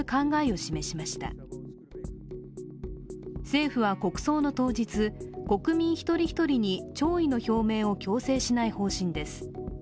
政府は国葬の当日、国民一人一人に弔意の表明を強制しない方針です。